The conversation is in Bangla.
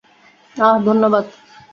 আহ, ধন্যবাদ।